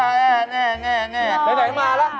ไหนมาแล้วไก่จ่ายพอเท่าเพลง